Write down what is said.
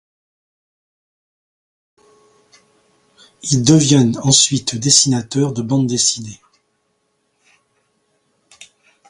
Il devient ensuite dessinateur de bandes dessinées.